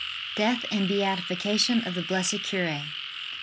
DEATH AND BEATIFICATION OF THE BLESSED CURE.